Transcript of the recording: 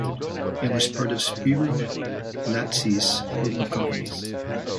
It was part of Spiro Latsis group of companies.